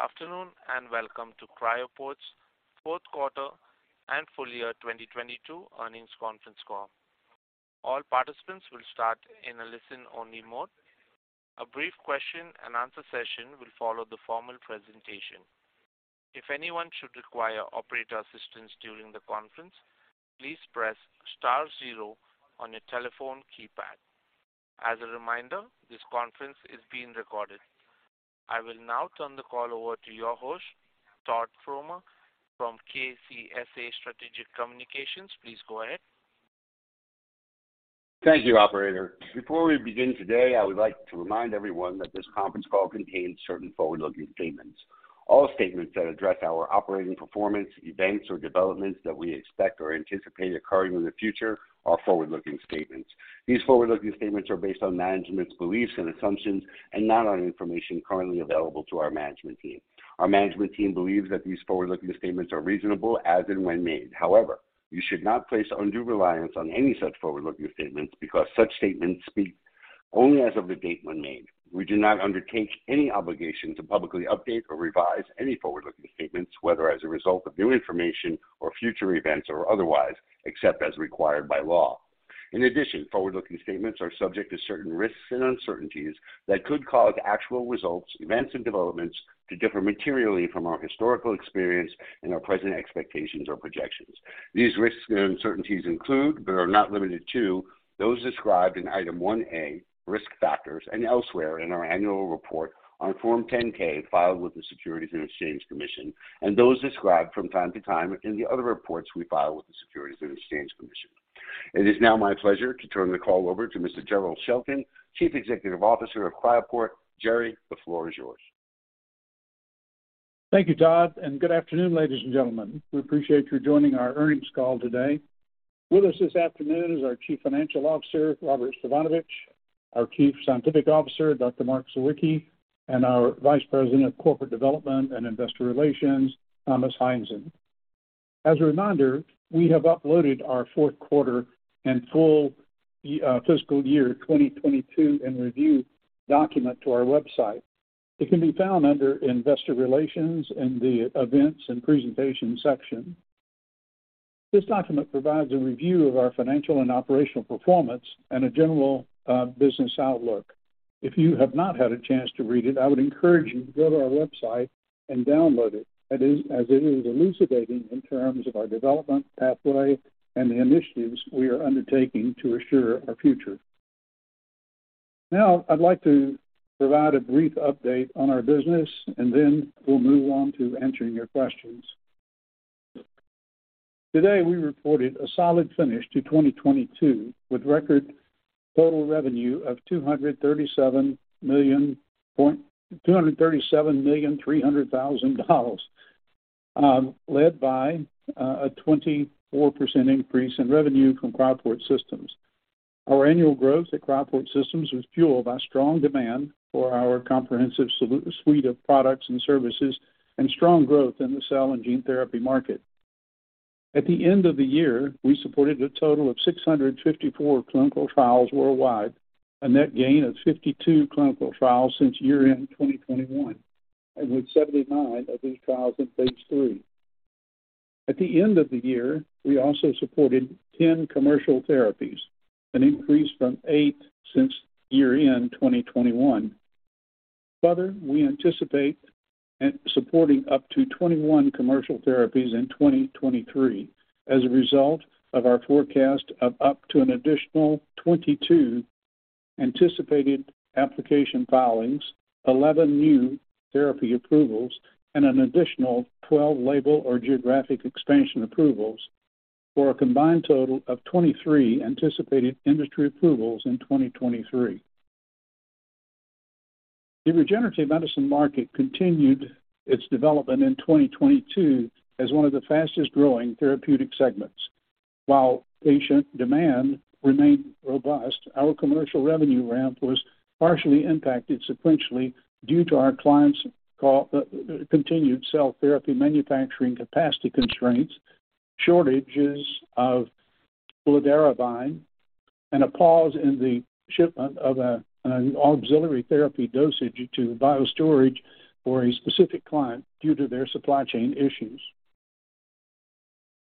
Good afternoon. Welcome to Cryoport's Fourth Quarter and Full Year 2022 Earnings Conference Call. All participants will start in a listen-only mode. A brief question-and-answer session will follow the formal presentation. If anyone should require operator assistance during the conference, please press star zero on your telephone keypad. As a reminder, this conference is being recorded. I will now turn the call over to your host, Todd Fromer from KCSA Strategic Communications. Please go ahead. Thank you, operator. Before we begin today, I would like to remind everyone that this conference call contains certain forward-looking statements. All statements that address our operating performance, events, or developments that we expect or anticipate occurring in the future are forward-looking statements. These forward-looking statements are based on management's beliefs and assumptions and not on information currently available to our management team. Our management team believes that these forward-looking statements are reasonable as and when made. However, you should not place undue reliance on any such forward-looking statements because such statements speak only as of the date when made. We do not undertake any obligation to publicly update or revise any forward-looking statements, whether as a result of new information or future events or otherwise, except as required by law. In addition, forward-looking statements are subject to certain risks and uncertainties that could cause actual results, events, and developments to differ materially from our historical experience and our present expectations or projections. These risks and uncertainties include, but are not limited to, those described in Item 1A, Risk Factors, and elsewhere in our annual report on Form 10-K filed with the Securities and Exchange Commission, and those described from time to time in the other reports we file with the Securities and Exchange Commission. It is now my pleasure to turn the call over to Mr. Jerrell Shelton, Chief Executive Officer of Cryoport. Jerry, the floor is yours. Thank you, Todd. Good afternoon, ladies and gentlemen. We appreciate you joining our earnings call today. With us this afternoon is our Chief Financial Officer, Robert Stefanovich, our Chief Scientific Officer, Dr. Mark Sawicki, and our Vice President of Corporate Development and Investor Relations, Thomas Heinzen. As a reminder, we have uploaded our fourth quarter and full fiscal year 2022 in review document to our website. It can be found under Investor Relations in the Events and Presentation section. This document provides a review of our financial and operational performance and a general business outlook. If you have not had a chance to read it, I would encourage you to go to our website and download it as it is elucidating in terms of our development pathway and the initiatives we are undertaking to assure our future. Now I'd like to provide a brief update on our business, then we'll move on to answering your questions. Today, we reported a solid finish to 2022 with record total revenue of $237,300,000, led by a 24% increase in revenue from Cryoport Systems. Our annual growth at Cryoport Systems was fueled by strong demand for our comprehensive suite of products and services and strong growth in the cell and gene therapy market. At the end of the year, we supported a total of 654 clinical trials worldwide, a net gain of 52 clinical trials since year-end 2021, and with 79 of these trials in Phase III. At the end of the year, we also supported 10 commercial therapies, an increase from eight since year-end 2021. We anticipate supporting up to 21 commercial therapies in 2023 as a result of our forecast of up to an additional 22 anticipated application filings, 11 new therapy approvals, and an additional 12 label or geographic expansion approvals for a combined total of 23 anticipated industry approvals in 2023. The regenerative medicine market continued its development in 2022 as one of the fastest-growing therapeutic segments. While patient demand remained robust, our commercial revenue ramp was partially impacted sequentially due to our clients' continued cell therapy manufacturing capacity constraints, shortages of fludarabine, and a pause in the shipment of an auxiliary therapy dosage to BioStorage for a specific client due to their supply chain issues.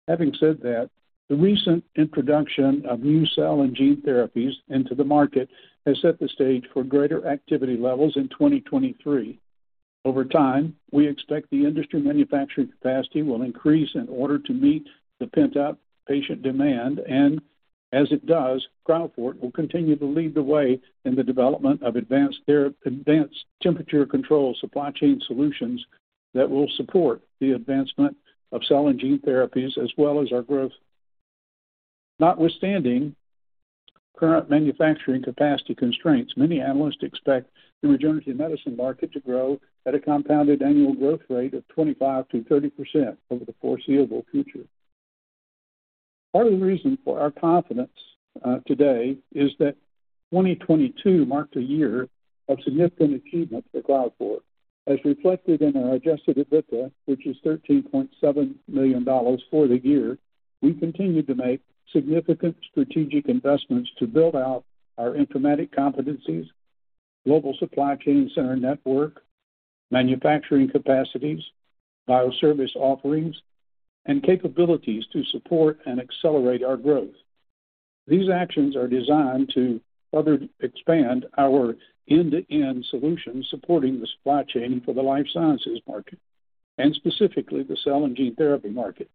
Having said that, the recent introduction of new cell and gene therapies into the market has set the stage for greater activity levels in 2023. Over time, we expect the industry manufacturing capacity will increase in order to meet the pent-up patient demand. As it does, Cryoport will continue to lead the way in the development of advanced temperature control supply chain solutions that will support the advancement of cell and gene therapies as well as our growth. Notwithstanding current manufacturing capacity constraints, many analysts expect the regenerative medicine market to grow at a compounded annual growth rate of 25%-30% over the foreseeable future. Part of the reason for our confidence today is that 2022 marked a year of significant achievement for Cryoport, as reflected in our adjusted EBITDA, which is $13.7 million for the year. We continued to make significant strategic investments to build out our informatic competencies, global supply chain center network, manufacturing capacities, bioservice offerings, and capabilities to support and accelerate our growth. These actions are designed to further expand our end-to-end solutions supporting the supply chain for the life sciences market and specifically the cell and gene therapy market.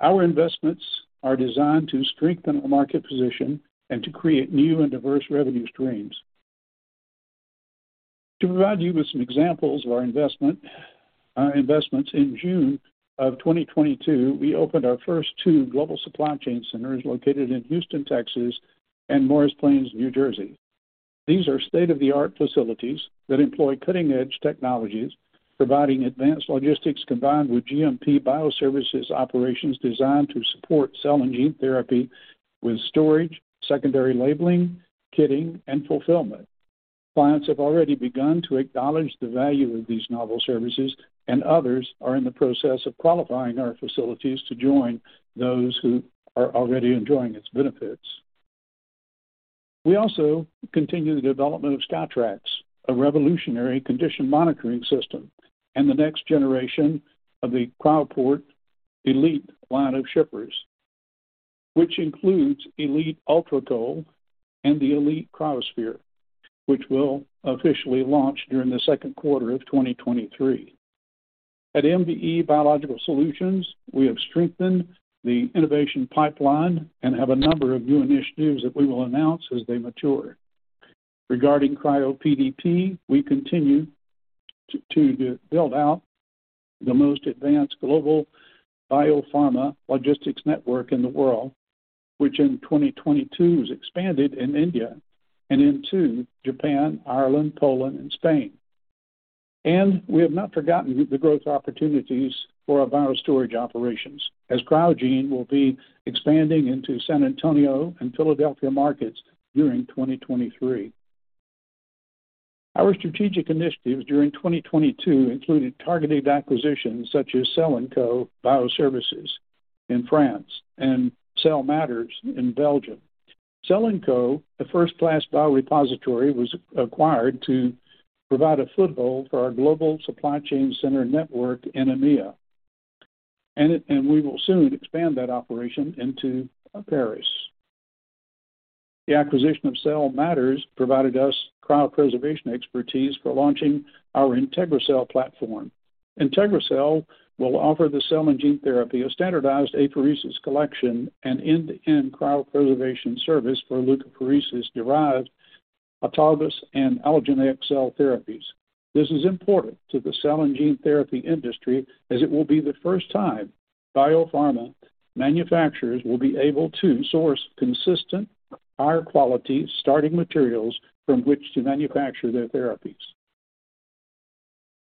Our investments are designed to strengthen our market position and to create new and diverse revenue streams. To provide you with some examples of our investments, in June of 2022, we opened our first two global supply chain centers located in Houston, Texas, and Morris Plains, New Jersey. These are state-of-the-art facilities that employ cutting-edge technologies, providing advanced logistics combined with GMP bioservices operations designed to support cell and gene therapy with storage, secondary labeling, kitting, and fulfillment. Clients have already begun to acknowledge the value of these novel services. Others are in the process of qualifying our facilities to join those who are already enjoying its benefits. We also continue the development of SkyTrax, a revolutionary condition monitoring system, and the next generation of the Cryoport Elite line of shippers, which includes Elite Ultra Cold and the Elite Cryosphere, which will officially launch during the second quarter of 2023. At MVE Biological Solutions, we have strengthened the innovation pipeline and have a number of new initiatives that we will announce as they mature. Regarding CRYOPDP, we continue to build out the most advanced global biopharma logistics network in the world, which in 2022 was expanded in India and into Japan, Ireland, Poland, and Spain. We have not forgotten the growth opportunities for our virus storage operations, as CRYOGENE will be expanding into San Antonio and Philadelphia markets during 2023. Our strategic initiatives during 2022 included targeted acquisitions such as Cell&Co BioServices in France and Cell Matters in Belgium. Cell&Co, a first-class biorepository, was acquired to provide a foothold for our global supply chain center network in EMEA. We will soon expand that operation into Paris. The acquisition of Cell Matters provided us cryopreservation expertise for launching our IntegriCell platform. IntegriCell will offer the cell and gene therapy a standardized apheresis collection and end-to-end cryopreservation service for leukapheresis-derived autologous and allogeneic cell therapies. This is important to the cell and gene therapy industry as it will be the first time biopharma manufacturers will be able to source consistent, higher quality starting materials from which to manufacture their therapies.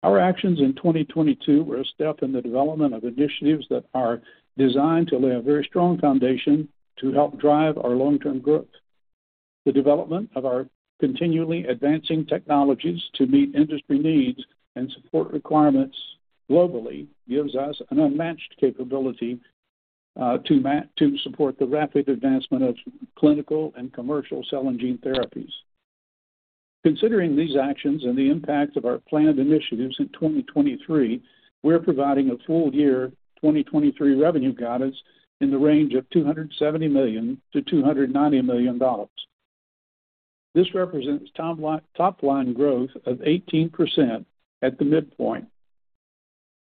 Our actions in 2022 were a step in the development of initiatives that are designed to lay a very strong foundation to help drive our long-term growth. The development of our continually advancing technologies to meet industry needs and support requirements globally gives us an unmatched capability to support the rapid advancement of clinical and commercial cell and gene therapies. Considering these actions and the impact of our planned initiatives in 2023, we're providing a full year 2023 revenue guidance in the range of $270 million-$290 million. This represents top line growth of 18% at the midpoint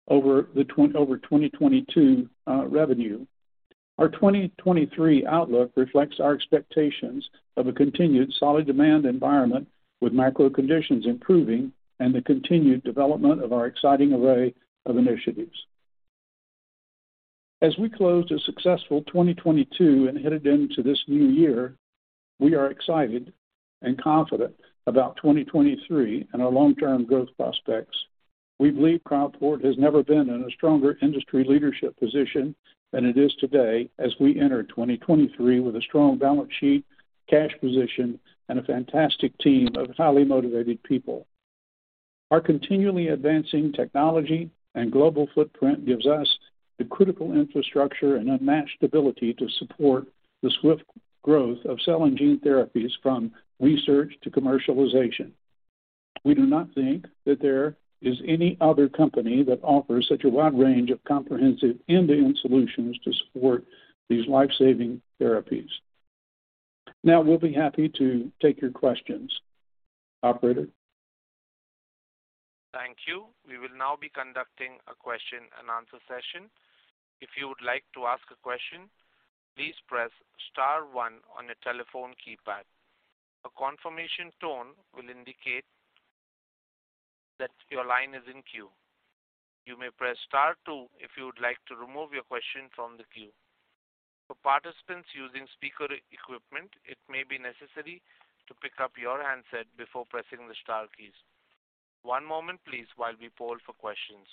over 2022 revenue. Our 2023 outlook reflects our expectations of a continued solid demand environment with macro conditions improving and the continued development of our exciting array of initiatives. As we close a successful 2022 and head into this new year, we are excited and confident about 2023 and our long-term growth prospects. We believe Cryoport has never been in a stronger industry leadership position than it is today as we enter 2023 with a strong balance sheet, cash position, and a fantastic team of highly motivated people. Our continually advancing technology and global footprint gives us the critical infrastructure and unmatched ability to support the swift growth of cell and gene therapies from research to commercialization. We do not think that there is any other company that offers such a wide range of comprehensive end-to-end solutions to support these life-saving therapies. We'll be happy to take your questions. Operator? Thank you. We will now be conducting a question and answer session. If you would like to ask a question, please press star one on your telephone keypad. A confirmation tone will indicate that your line is in queue. You may press star two if you would like to remove your question from the queue. For participants using speaker equipment, it may be necessary to pick up your handset before pressing the star keys. One moment please while we poll for questions.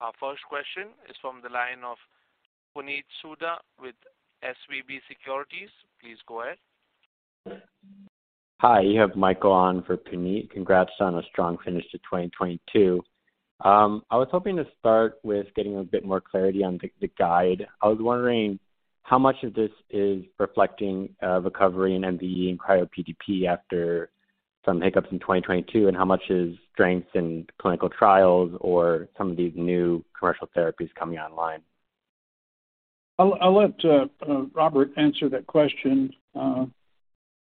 Our first question is from the line of Puneet Souda with SVB Securities. Please go ahead. Hi, you have Michael on for Puneet. Congrats on a strong finish to 2022. I was hoping to start with getting a bit more clarity on the guide. I was wondering how much of this is reflecting a recovery in MVE and CRYOPDP after some hiccups in 2022, and how much is strengths in clinical trials or some of these new commercial therapies coming online? I'll let Robert answer that question.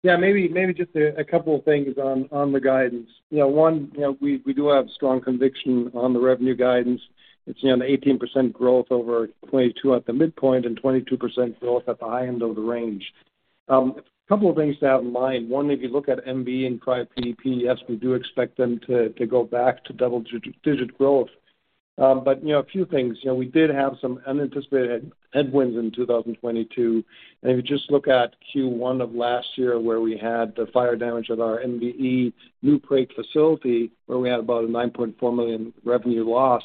Yeah, maybe just a couple of things on the guidance. You know, one, you know, we do have strong conviction on the revenue guidance. It's, you know, the 18% growth over 2022 at the midpoint and 22% growth at the high end of the range. A couple of things to have in mind. One, if you look at MVE and CRYOPDP, yes, we do expect them to go back to double-digit growth. But, you know, a few things. You know, we did have some unanticipated headwinds in 2022. If you just look at Q1 of last year where we had the fire damage at our MVE New Prague facility, where we had about a $9.4 million revenue loss.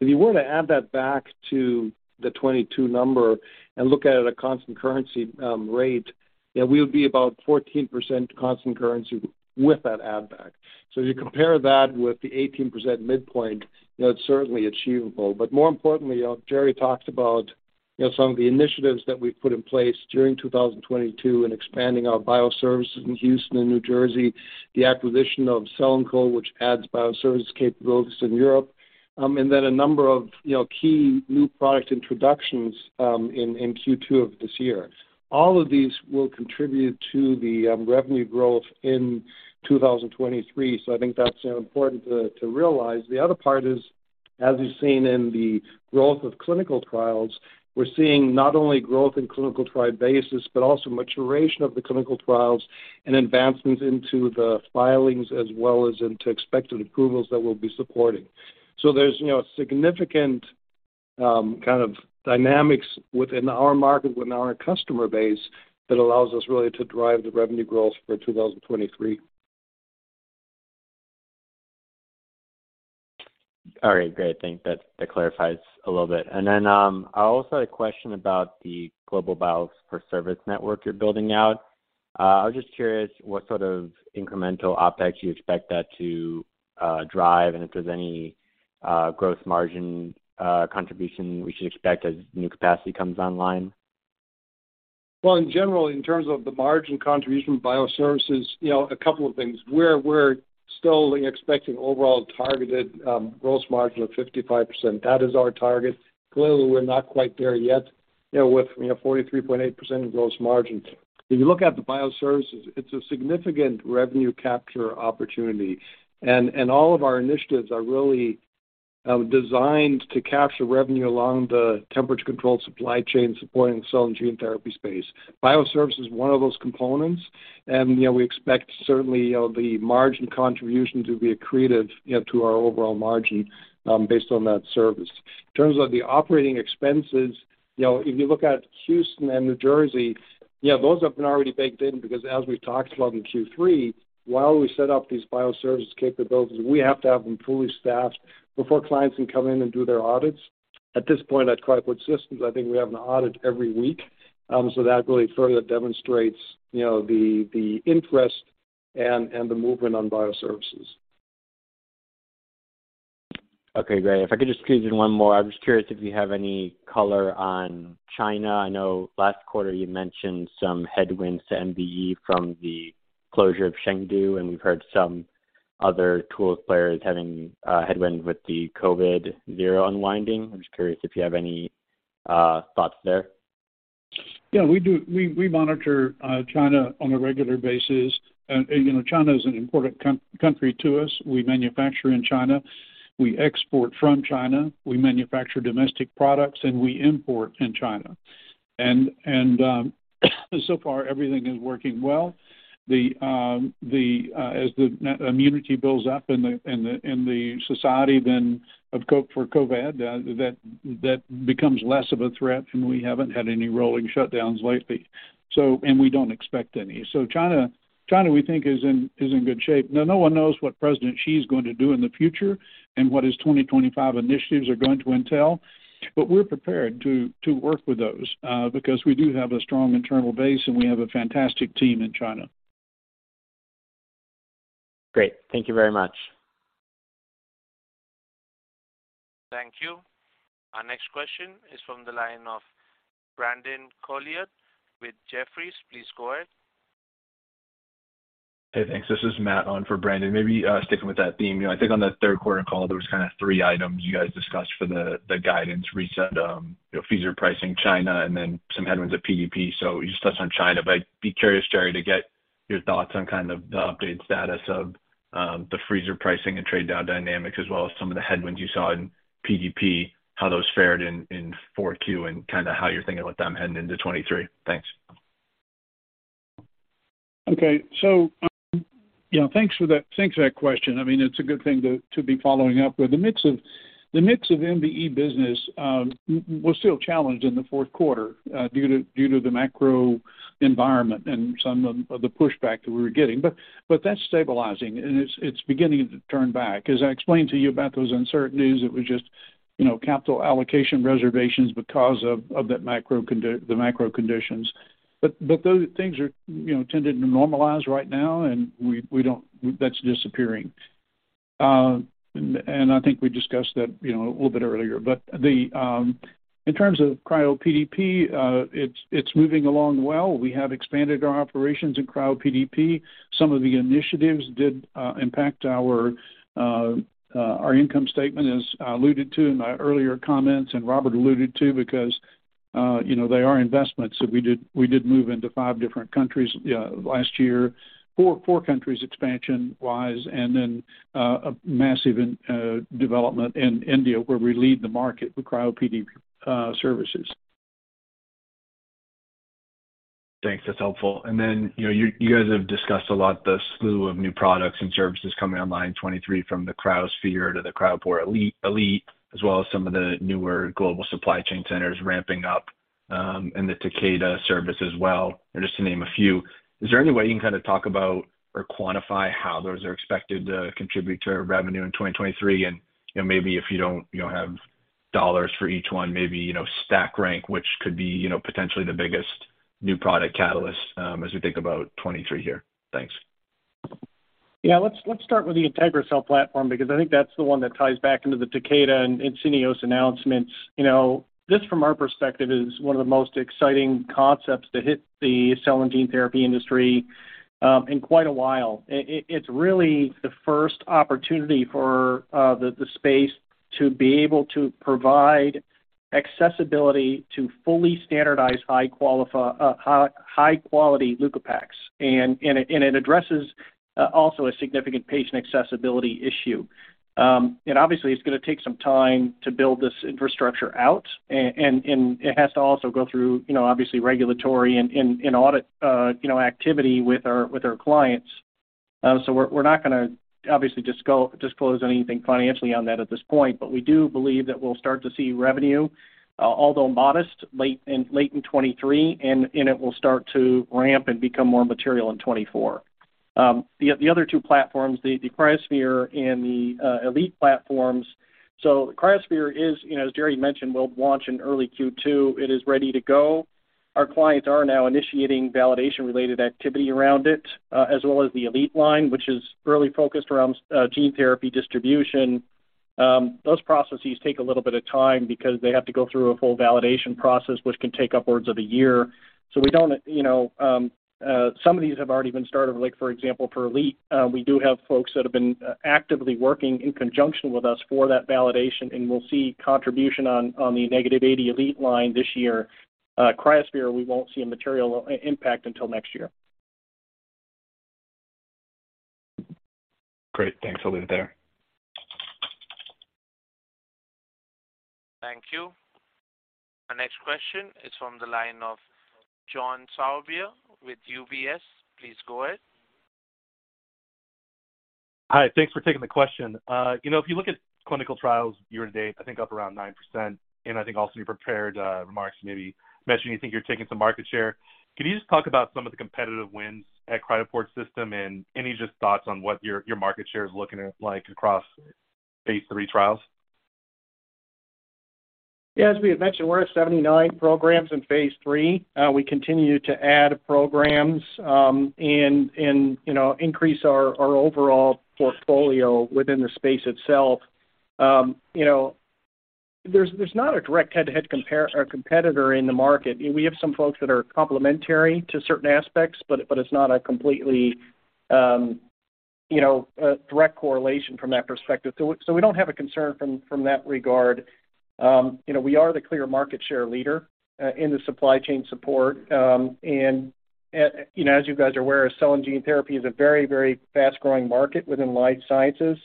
If you were to add that back to the 2022 number and look at it at a constant currency rate, you know, we would be about 14% constant currency with that add back. You compare that with the 18% midpoint, you know, it's certainly achievable. More importantly, you know, Jerry talked about, you know, some of the initiatives that we've put in place during 2022 in expanding our bioservices in Houston and New Jersey, the acquisition of Cell&Co, which adds bioservice capabilities in Europe, and then a number of, you know, key new product introductions in Q2 of this year. All of these will contribute to the revenue growth in 2023. I think that's, you know, important to realize. The other part is, as you've seen in the growth of clinical trials, we're seeing not only growth in clinical trial basis, but also maturation of the clinical trials and advancements into the filings, as well as into expected approvals that we'll be supporting. There's, you know, significant kind of dynamics within our market, within our customer base that allows us really to drive the revenue growth for 2023. All right. Great. I think that clarifies a little bit. I also had a question about the global bioservice network you're building out. I was just curious what sort of incremental OpEx you expect that to drive and if there's any gross margin contribution we should expect as new capacity comes online. Well, in general, in terms of the margin contribution bioservices, you know, a couple of things. We're still expecting overall targeted gross margin of 55%. That is our target. Clearly, we're not quite there yet, you know, with, you know, 43.8% gross margin. If you look at the bioservices, it's a significant revenue capture opportunity. All of our initiatives are really designed to capture revenue along the temperature-controlled supply chain supporting the cell and gene therapy space. Bioservice is one of those components, and, you know, we expect certainly, you know, the margin contribution to be accretive, you know, to our overall margin based on that service. In terms of the operating expenses, you know, if you look at Houston and New Jersey, yeah, those have been already baked in because as we've talked about in Q3, while we set up these bioservice capabilities, we have to have them fully staffed before clients can come in and do their audits. At this point, at Cryoport Systems, I think we have an audit every week. That really further demonstrates, you know, the interest and the movement on bioservices. Okay, great. If I could just squeeze in one more. I'm just curious if you have any color on China. I know last quarter you mentioned some headwinds to MVE from the closure of Chengdu, and we've heard some other tools players having headwinds with the COVID zero unwinding. I'm just curious if you have any thoughts there. Yeah, we do. We monitor China on a regular basis. You know, China is an important country to us. We manufacture in China, we export from China, we manufacture domestic products, and we import in China. So far, everything is working well. The, as the immunity builds up in the society then for COVID, that becomes less of a threat, and we haven't had any rolling shutdowns lately. We don't expect any. China, we think is in good shape. No one knows what President Xi is going to do in the future and what his 2025 initiatives are going to entail, but we're prepared to work with those because we do have a strong internal base, and we have a fantastic team in China. Great. Thank you very much. Thank you. Our next question is from the line of Brandon Couillard with Jefferies. Please go ahead. Hey, thanks. This is Matt on for Brandon. Maybe, sticking with that theme. You know, I think on the third quarter call, there was kind of three items you guys discussed for the guidance reset, you know, freezer pricing China and then some headwinds at PDP. You touched on China, but I'd be curious, Jerry, to get your thoughts on kind of the updated status of the freezer pricing and trade down dynamics as well as some of the headwinds you saw in PDP, how those fared in 4Q and kinda how you're thinking about them heading into 2023. Thanks. Okay. You know, thanks for that question. I mean, it's a good thing to be following up with. The mix of MVE business was still challenged in the fourth quarter, due to the macro environment and some of the pushback that we were getting. But that's stabilizing, and it's beginning to turn back. As I explained to you about those uncertainties, it was just, you know, capital allocation reservations because of that macro conditions. Things are, you know, tending to normalize right now, and we don't that's disappearing. And I think we discussed that, you know, a little bit earlier. In terms of CRYOPDP, it's moving along well. We have expanded our operations in CRYOPDP. Some of the initiatives did impact our income statement, as I alluded to in my earlier comments and Robert alluded to, because, you know, they are investments. We did move into five different countries last year. four countries expansion wise, and then a massive in development in India, where we lead the market with CRYOPDP services. Thanks. That's helpful. Then, you know, you guys have discussed a lot the slew of new products and services coming online in 2023 from the Cryosphere to the Cryoport Elite, as well as some of the newer global supply chain centers ramping up, and the Takeda service as well, just to name a few. Is there any way you can kind of talk about or quantify how those are expected to contribute to revenue in 2023? you know, maybe if you don't, you know, have dollars for each one, maybe, you know, stack rank, which could be, you know, potentially the biggest new product catalyst, as we think about 2023 here. Thanks. Yeah. Let's start with the IntegriCell platform because I think that's the one that ties back into the Takeda and InSitu announcements. You know, this, from our perspective, is one of the most exciting concepts to hit the cell and gene therapy industry in quite a while. It's really the first opportunity for the space to be able to provide accessibility to fully standardized high quality leukopaks. It addresses also a significant patient accessibility issue. Obviously it's gonna take some time to build this infrastructure out and it has to also go through, you know, obviously regulatory and audit activity with our clients. We're, we're not gonna obviously disclose anything financially on that at this point, but we do believe that we'll start to see revenue, although modest, late in, late in 2023, and it, and it will start to ramp and become more material in 2024. The other two platforms, the Cryosphere and the Elite platforms. The Cryosphere is, you know, as Jerry mentioned, will launch in early Q2. It is ready to go. Our clients are now initiating validation-related activity around it, as well as the Elite line, which is really focused around gene therapy distribution. Those processes take a little bit of time because they have to go through a full validation process which can take upwards of a year. We don't, you know, some of these have already been started, like for example, for Elite, we do have folks that have been actively working in conjunction with us for that validation, and we'll see contribution on the -80 Elite line this year. Cryosphere, we won't see a material impact until next year. Great. Thanks, I'll leave it there. Thank you. Our next question is from the line of John Sourbeer with UBS. Please go ahead. Hi. Thanks for taking the question. You know, if you look at clinical trials year to date, I think up around 9%, and I think also you prepared, remarks maybe mentioning you think you're taking some market share. Can you just talk about some of the competitive wins at Cryoport Systems and any just thoughts on what your market share is looking like across Phase III trials? Yeah. As we had mentioned, we're at 79 programs in Phase III. We continue to add programs, and, you know, increase our overall portfolio within the space itself. You know, there's not a direct head-to-head competitor in the market. We have some folks that are complementary to certain aspects, but it's not a completely, you know, a direct correlation from that perspective. We don't have a concern from that regard. You know, we are the clear market share leader in the supply chain support. You know, as you guys are aware, cell and gene therapy is a very, very fast-growing market within life sciences.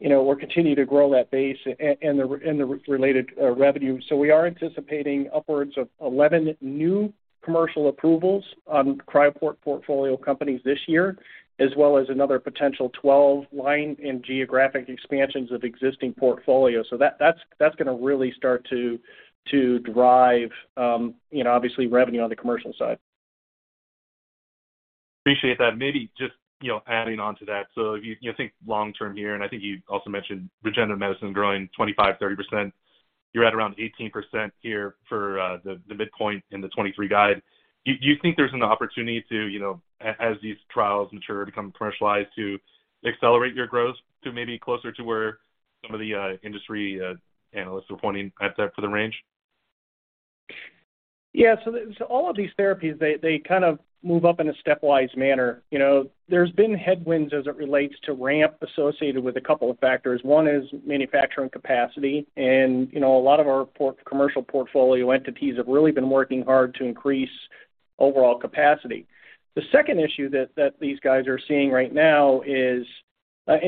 You know, we're continuing to grow that base and the related revenue. We are anticipating upwards of 11 new commercial approvals on Cryoport portfolio companies this year, as well as another potential 12 line and geographic expansions of existing portfolio. That's gonna really start to drive, you know, obviously revenue on the commercial side. Appreciate that. Maybe just, you know, adding on to that, so you think long term here, and I think you also mentioned regenerative medicine growing 25%, 30%. You're at around 18% here for the midpoint in the 2023 guide. Do you think there's an opportunity to, you know, as these trials mature, become commercialized to accelerate your growth to maybe closer to where some of the industry analysts are pointing at that for the range? All of these therapies, they kind of move up in a stepwise manner. You know, there's been headwinds as it relates to ramp associated with a couple of factors. One is manufacturing capacity. You know, a lot of our commercial portfolio entities have really been working hard to increase overall capacity. The second issue these guys are seeing right now is,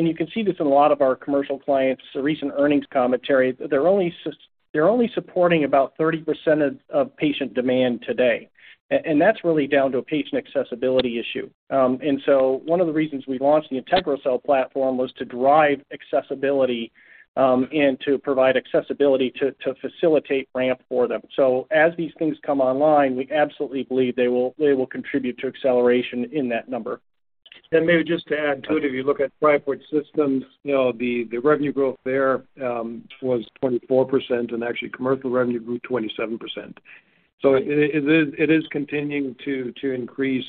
you can see this in a lot of our commercial clients' recent earnings commentary, they're only supporting about 30% of patient demand today. That's really down to a patient accessibility issue. One of the reasons we launched the IntegriCell platform was to drive accessibility, and to provide accessibility to facilitate ramp for them. As these things come online, we absolutely believe they will, they will contribute to acceleration in that number. Maybe just to add too, if you look at Cryoport Systems, you know, the revenue growth there was 24% and actually commercial revenue grew 27%. It is continuing to increase.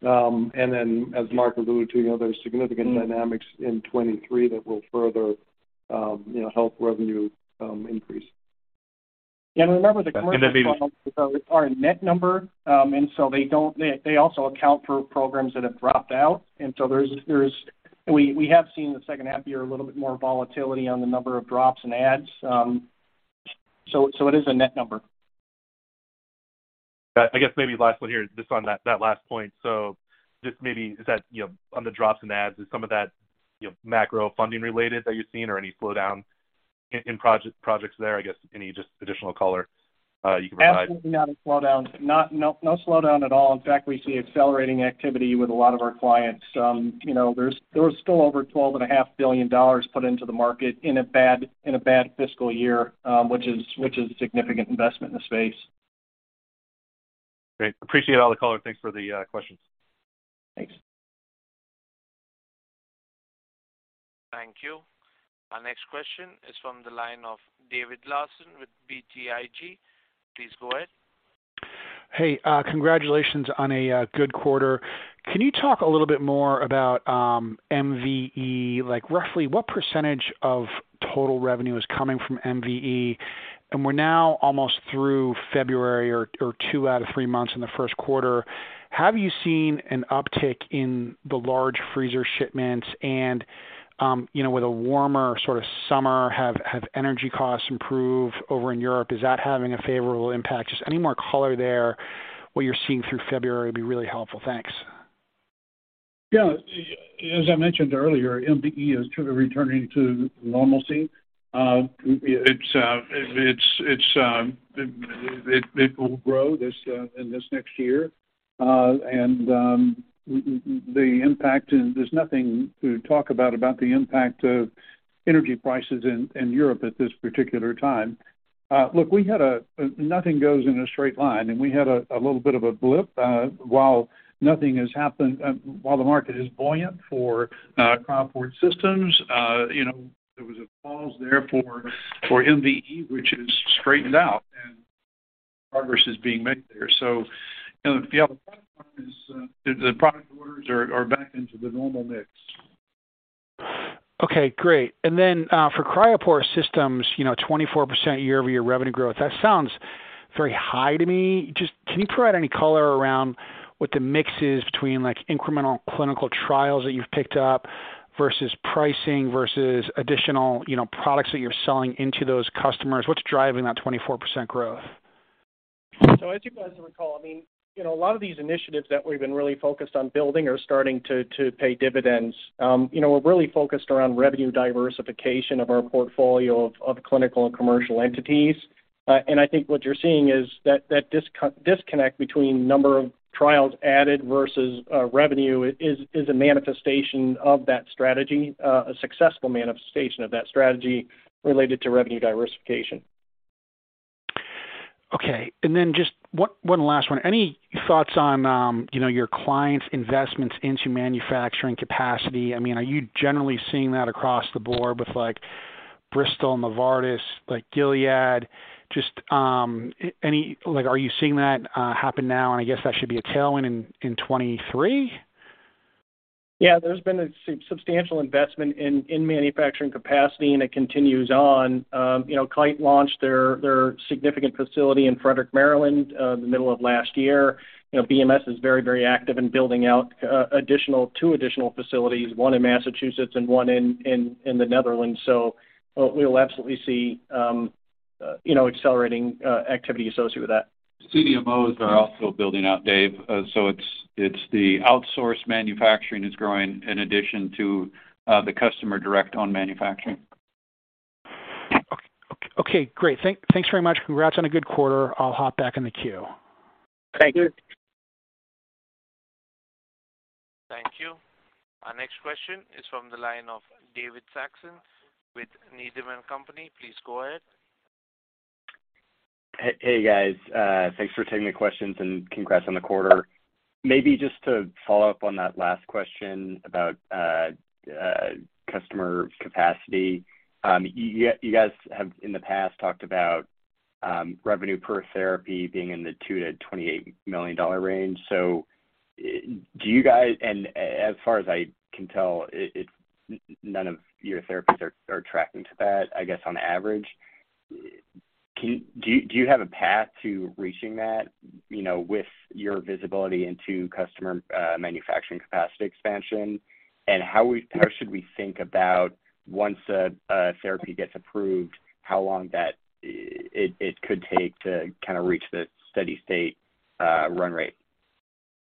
As Mark alluded to, you know, there's significant dynamics in 2023 that will further, you know, help revenue increase. Yeah. Remember, the commercial trials are a net number. So they don't, they also account for programs that have dropped out. So there's, We have seen in the second half year a little bit more volatility on the number of drops and adds. It is a net number. I guess maybe last one here, just on that last point. Just maybe is that, you know, on the drops and adds, is some of that, you know, macro funding related that you're seeing or any slowdown in projects there? I guess any just additional color you can provide. Absolutely not a slowdown. No slowdown at all. We see accelerating activity with a lot of our clients. You know, there was still over twelve and a half billion dollars put into the market in a bad fiscal year, which is a significant investment in the space. Great. Appreciate all the color. Thanks for the questions. Thanks. Thank you. Our next question is from the line of David Larsen with BTIG. Please go ahead. Hey, congratulations on a good quarter. Can you talk a little bit more about MVE? Like, roughly what percentage of total revenue is coming from MVE? We're now almost through February or two out of three months in the first quarter, have you seen an uptick in the large freezer shipments and, you know, with a warmer sort of summer, have energy costs improved over in Europe? Is that having a favorable impact? Just any more color there, what you're seeing through February would be really helpful. Thanks. Yeah. As I mentioned earlier, MVE is sort of returning to normalcy. it's, it will grow this in this next year. The impact and there's nothing to talk about the impact of energy prices in Europe at this particular time. look, we had Nothing goes in a straight line, and we had a little bit of a blip. while nothing has happened, while the market is buoyant for Cryoport Systems, you know, there was a pause there for MVE, which has straightened out and progress is being made there. you know, the other platform is the product orders are back into the normal mix. Okay, great. Then, for Cryoport Systems, you know, 24% year-over-year revenue growth. That sounds very high to me. Just can you provide any color around what the mix is between, like, incremental clinical trials that you've picked up versus pricing versus additional, you know, products that you're selling into those customers? What's driving that 24% growth? As you guys recall, I mean, you know, a lot of these initiatives that we've been really focused on building are starting to pay dividends. You know, we're really focused around revenue diversification of our portfolio of clinical and commercial entities. I think what you're seeing is that disconnect between number of trials added versus revenue is a manifestation of that strategy, a successful manifestation of that strategy related to revenue diversification. Okay. Then just one last one. Any thoughts on, you know, your clients' investments into manufacturing capacity? I mean, are you generally seeing that across the board with like Bristol and Novartis, like Gilead? Just, like, are you seeing that happen now? I guess that should be a tailwind in 2023. Yeah. There's been a substantial investment in manufacturing capacity, and it continues on. You know, Kite launched their significant facility in Frederick, Maryland, the middle of last year. You know, BMS is very active in building out two additional facilities, one in Massachusetts and one in the Netherlands. We'll absolutely see, you know, accelerating activity associated with that. CDMOs are also building out, Dave. It's the outsource manufacturing is growing in addition to the customer direct own manufacturing. Okay. Great. Thanks very much. Congrats on a good quarter. I'll hop back in the queue. Thank you. Thank you. Our next question is from the line of David Saxon with Needham & Company. Please go ahead. Hey, guys. thanks for taking the questions, and congrats on the quarter. Maybe just to follow up on that last question about customer capacity. You guys have in the past talked about revenue per therapy being in the $2 million-$28 million range. As far as I can tell, none of your therapies are tracking to that, I guess, on average. Do you have a path to reaching that, you know, with your visibility into customer manufacturing capacity expansion? How should we think about once a therapy gets approved, how long that it could take to kind of reach the steady state run rate?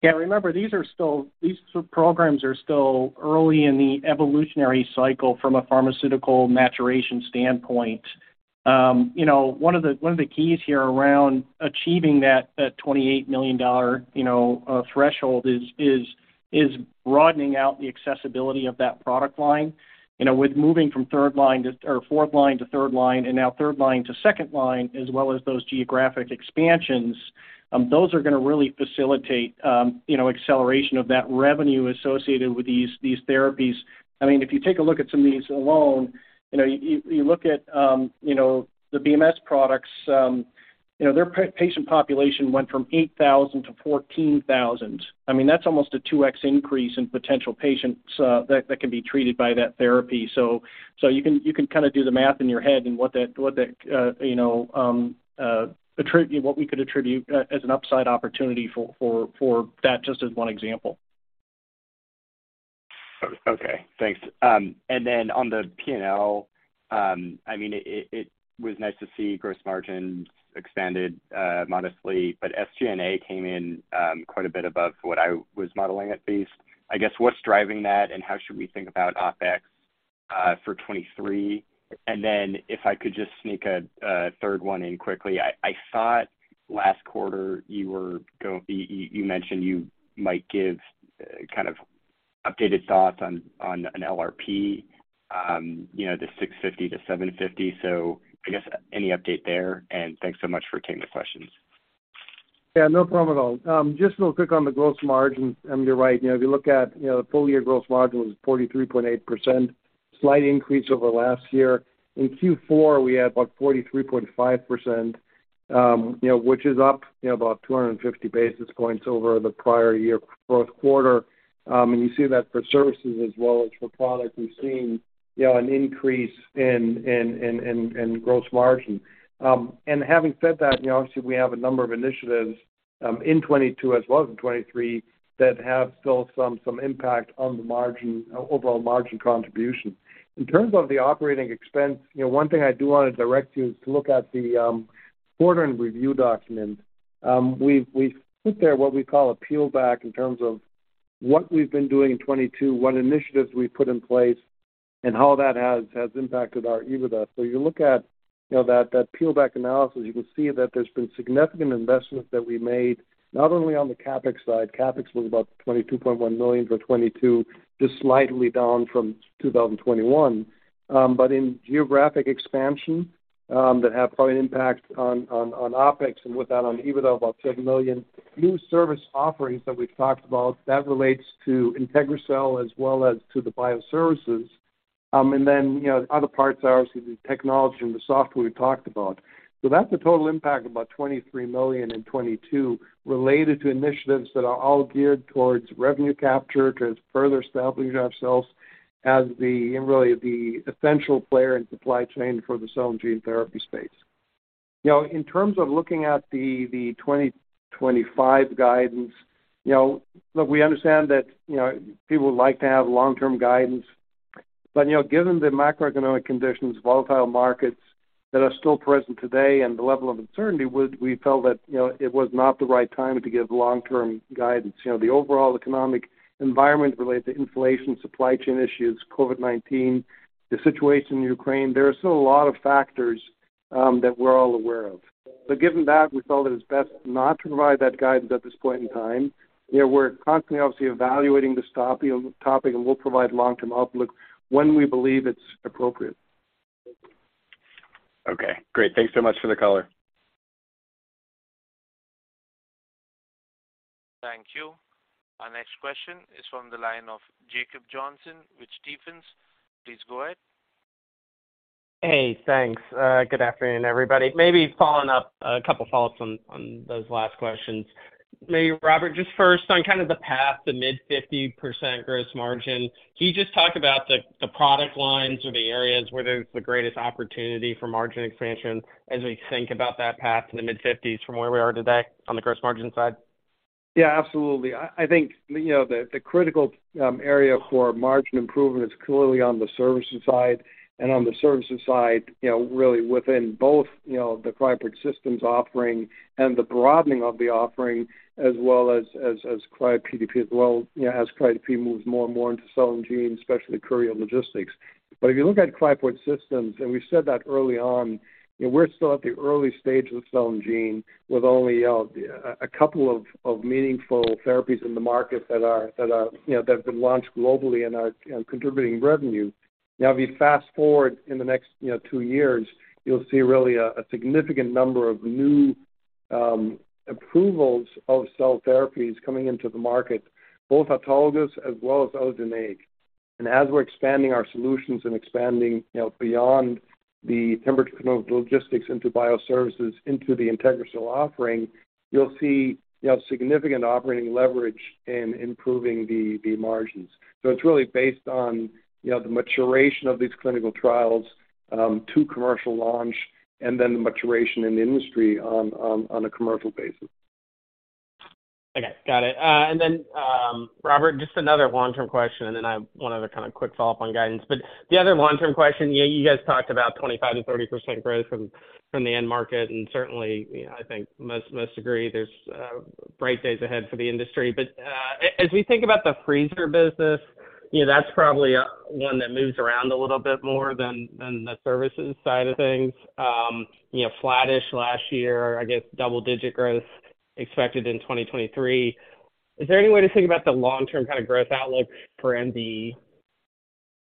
Yeah, remember, these programs are still early in the evolutionary cycle from a pharmaceutical maturation standpoint. You know, one of the, one of the keys here around achieving that $28 million, you know, threshold is broadening out the accessibility of that product line. You know, with moving from third line to or fourth line to third line and now third line to second line, as well as those geographic expansions, those are gonna really facilitate, you know, acceleration of that revenue associated with these therapies. I mean, if you take a look at some of these alone, you know, you look at, you know, the BMS products, you know, their patient population went from 8,000 to 14,000. I mean, that's almost a 2x increase in potential patients that can be treated by that therapy. You can kinda do the math in your head and what that, you know, what we could attribute as an upside opportunity for that, just as one example. Okay, thanks. On the P&L, it was nice to see gross margins expanded modestly, but SG&A came in quite a bit above what I was modeling at least. I guess, what's driving that and how should we think about OpEx for 2023? If I could just sneak a third one in quickly. I saw it last quarter, you mentioned you might give kind of updated thoughts on an LRP, the $650 million-$750 million. I guess any update there, and thanks so much for taking the questions. Yeah, no problem at all. Just real quick on the gross margin. I mean, you're right. You know, if you look at, the full year gross margin was 43.8%, slight increase over last year. In Q4, we had about 43.5%, which is up about 250 basis points over the prior year fourth quarter. You see that for services as well as for product, we've seen an increase in gross margin. Having said that, you know, obviously we have a number of initiatives in 2022 as well as in 2023 that have still some impact on the margin, overall margin contribution. In terms of the Operating Expense, you know, one thing I do wanna direct you is to look at the quarter and review document. We've put there what we call a peel back in terms of what we've been doing in 2022, what initiatives we've put in place, and how that has impacted our EBITDA. You look at, you know, that peel back analysis, you can see that there's been significant investment that we made, not only on the CapEx side. CapEx was about $22.1 million for 2022, just slightly down from 2021. In geographic expansion, that have probably an impact on OpEx and with that on EBITDA of about $10 million. New service offerings that we've talked about, that relates to IntegriCell as well as to the bioservices. Then, you know, other parts are obviously the technology and the software we talked about. That's a total impact of about $23 million in 2022 related to initiatives that are all geared towards revenue capture, towards further establishing ourselves as the, and really the essential player in supply chain for the cell and gene therapy space. You know, in terms of looking at the 2025 guidance, you know, look, we understand that, you know, people like to have long-term guidance. You know, given the macroeconomic conditions, volatile markets that are still present today and the level of uncertainty, we felt that, you know, it was not the right time to give long-term guidance. You know, the overall economic environment related to inflation, supply chain issues, COVID-19, the situation in Ukraine, there are still a lot of factors that we're all aware of. Given that, we felt it was best not to provide that guidance at this point in time. You know, we're constantly obviously evaluating this top-topic, and we'll provide long-term outlook when we believe it's appropriate. Okay, great. Thanks so much for the color. Thank you. Our next question is from the line of Jacob Johnson with Stephens. Please go ahead. Hey, thanks. good afternoon, everybody. Maybe following up a couple thoughts on those last questions. Maybe Robert, just first on kind of the path to mid 50% gross margin, can you just talk about the product lines or the areas where there's the greatest opportunity for margin expansion as we think about that path to the mid 50s from where we are today on the gross margin side? Yeah, absolutely. I think, you know, the critical area for margin improvement is clearly on the services side. On the services side, you know, really within both, you know, the Cryoport Systems offering and the broadening of the offering, as well as CRYOPDP, as well, you know, as CRYOPDP moves more and more into cell and gene, especially courier logistics. If you look at Cryoport Systems, and we said that early on, you know, we're still at the early stage of cell and gene with only a couple of meaningful therapies in the market that are, you know, that have been launched globally and are, and contributing revenue. Now, if you fast-forward in the next, you know, two years, you'll see really a significant number of new approvals of cell therapies coming into the market, both autologous as well as allogeneic. As we're expanding our solutions and expanding, you know, beyond the temperature controlled logistics into bioservices, into the IntegriCell offering, you'll see, you know, significant operating leverage in improving the margins. It's really based on, you know, the maturation of these clinical trials to commercial launch and then the maturation in the industry on a commercial basis. Okay, got it. Robert, just another long-term question, and then one other kind of quick follow-up on guidance. The other long-term question, you know, you guys talked about 25%-30% growth from the end market, and certainly, you know, I think most agree there's bright days ahead for the industry. As we think about the freezer business, you know, that's probably one that moves around a little bit more than the services side of things. You know, flattish last year, I guess double-digit growth expected in 2023. Is there any way to think about the long-term kind of growth outlook for MVE?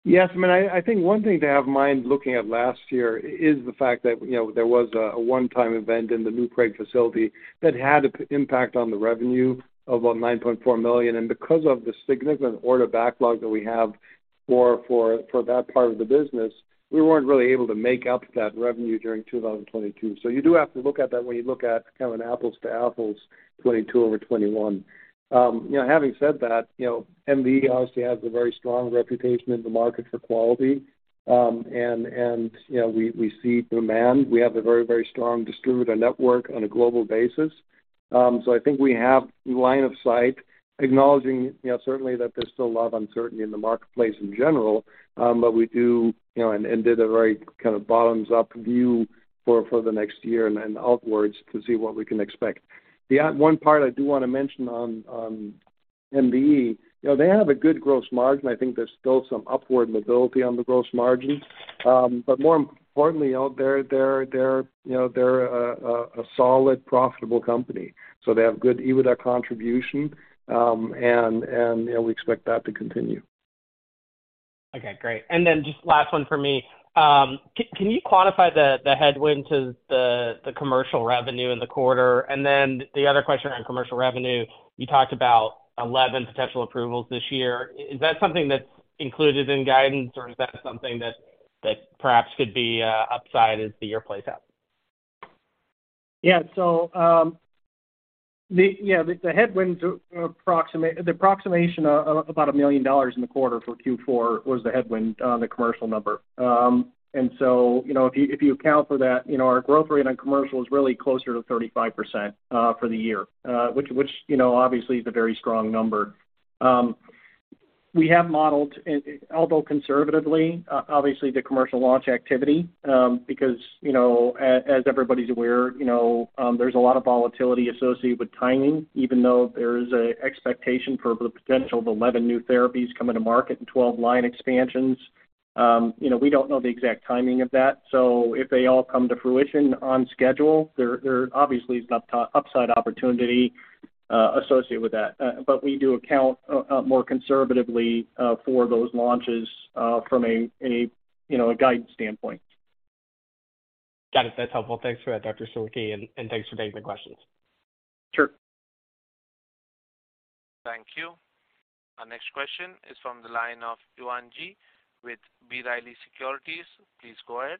Yes. I mean, I think one thing to have in mind looking at last year is the fact that, you know, there was a one-time event in the New Prague facility that had a impact on the revenue of about $9.4 million. Because of the significant order backlog that we have for that part of the business, we weren't really able to make up that revenue during 2022. You do have to look at that when you look at kind of an apples to apples, 2022 over 2021. You know, having said that, you know, MVE obviously has a very strong reputation in the market for quality. You know, we see demand. We have a very strong distributor network on a global basis. I think we have line of sight acknowledging, you know, certainly that there's still a lot of uncertainty in the marketplace in general, we do, you know, and did a very kind of bottoms up view for the next year and outwards to see what we can expect. The one part I do wanna mention on MVE, you know, they have a good gross margin. I think there's still some upward mobility on the gross margin. More importantly, you know, they're, you know, they're a solid profitable company, so they have good EBITDA contribution, and, you know, we expect that to continue. Okay, great. Just last one for me. Can you quantify the headwind to the commercial revenue in the quarter? The other question on commercial revenue, you talked about 11 potential approvals this year. Is that something that's included in guidance, or is that something that perhaps could be upside as the year plays out? The approximation about $1 million in the quarter for Q4 was the headwind on the commercial number. you know, if you, if you account for that, you know, our growth rate on commercial is really closer to 35% for the year, which, you know, obviously is a very strong number. We have modeled, although conservatively, obviously, the commercial launch activity, because, you know, as everybody's aware, you know, there's a lot of volatility associated with timing. Even though there is a expectation for the potential of 11 new therapies coming to market and 12 line expansions, you know, we don't know the exact timing of that. If they all come to fruition on schedule, there obviously is an upside opportunity associated with that. We do account more conservatively for those launches from you know a guidance standpoint. Got it. That's helpful. Thanks for that, Dr. Sawicki, and thanks for taking the questions. Sure. Thank you. Our next question is from the line of Yuan Zhi with B. Riley Securities. Please go ahead.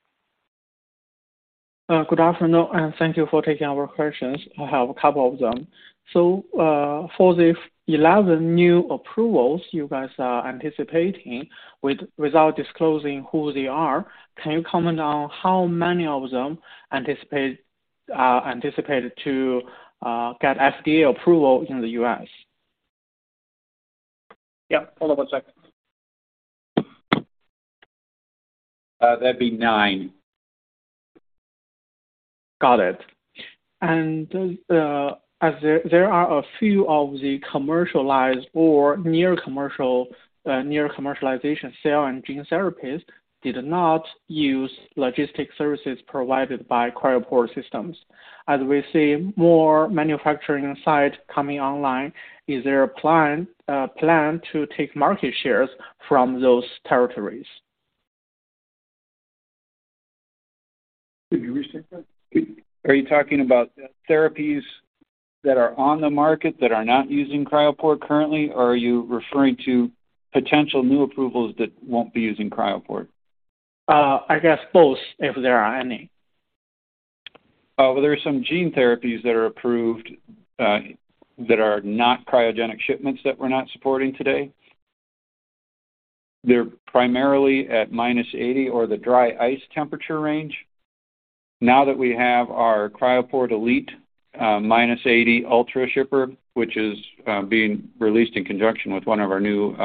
Good afternoon, and thank you for taking our questions. I have a couple of them. For the 11 new approvals you guys are anticipating, without disclosing who they are, can you comment on how many of them anticipate, anticipated to, get FDA approval in the U.S.? Yeah. Hold on one second. That'd be nine. Got it. As there are a few of the commercialized or near commercial, near commercialization cell and gene therapies did not use logistic services provided by Cryoport Systems. As we see more manufacturing site coming online, is there a plan to take market shares from those territories? Could you restate that please? Are you talking about therapies that are on the market that are not using Cryoport currently, or are you referring to potential new approvals that won't be using Cryoport? I guess both, if there are any. There are some gene therapies that are approved that are not cryogenic shipments that we're not supporting today. They're primarily at -80 or the dry ice temperature range. Now that we have our Cryoport Elite -80 Ultra Shipper, which is being released in conjunction with one of our new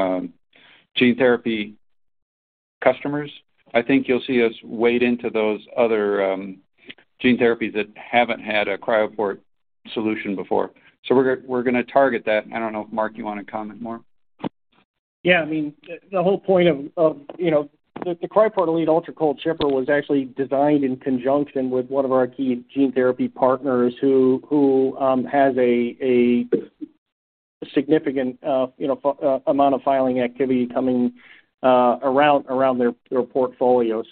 gene therapy customers, I think you'll see us wade into those other gene therapies that haven't had a Cryoport solution before. We're gonna target that. I don't know if, Mark, you wanna comment more. Yeah. I mean, the whole point of, you know The Cryoport Elite Ultra Cold Shipper was actually designed in conjunction with one of our key gene therapy partners who has a significant, you know, amount of filing activity coming around their portfolio.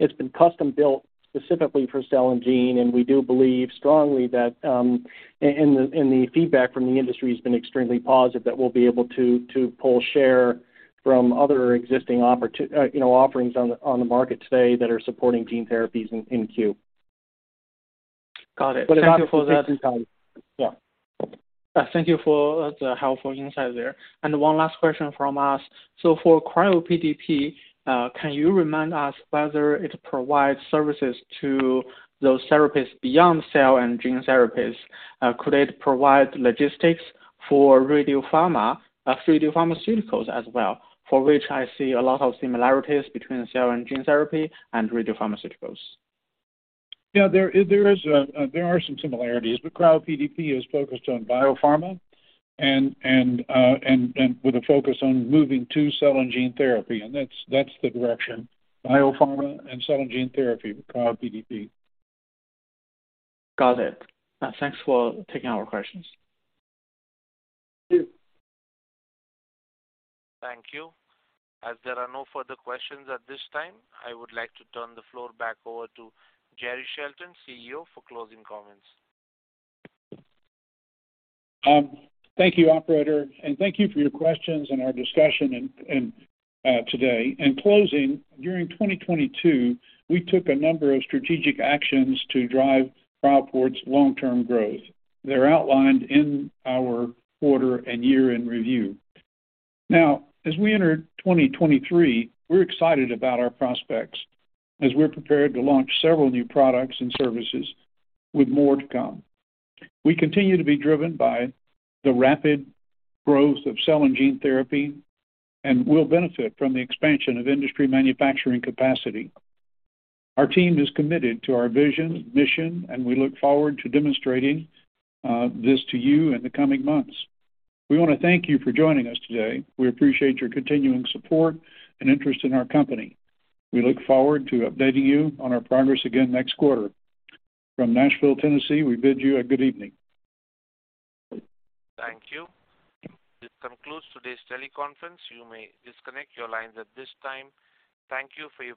It's been custom-built specifically for cell and gene, and we do believe strongly that, and the feedback from the industry has been extremely positive that we'll be able to pull share from other existing you know, offerings on the market today that are supporting gene therapies in queue. Got it. Thank you for that. About 15x. Yeah. Thank you for the helpful insight there. One last question from us. For CRYOPDP, can you remind us whether it provides services to those therapies beyond cell and gene therapies? Could it provide logistics for radiopharma, radiopharmaceuticals as well, for which I see a lot of similarities between cell and gene therapy and radiopharmaceuticals? Yeah. There are some similarities, but CRYOPDP is focused on biopharma and with a focus on moving to cell and gene therapy, and that's the direction, biopharma and cell and gene therapy with CRYOPDP. Got it. Thanks for taking our questions. Thank you. Thank you. As there are no further questions at this time, I would like to turn the floor back over to Jerry Shelton, CEO, for closing comments. Thank you, operator, and thank you for your questions and our discussion today. In closing, during 2022, we took a number of strategic actions to drive Cryoport's long-term growth. They're outlined in our quarter and year-end review. As we enter 2023, we're excited about our prospects as we're prepared to launch several new products and services with more to come. We continue to be driven by the rapid growth of cell and gene therapy and will benefit from the expansion of industry manufacturing capacity. Our team is committed to our vision, mission, and we look forward to demonstrating this to you in the coming months. We wanna thank you for joining us today. We appreciate your continuing support and interest in our company. We look forward to updating you on our progress again next quarter. From Nashville, Tennessee, we bid you a good evening. Thank you. This concludes today's teleconference. You may disconnect your lines at this time. Thank you for your participation.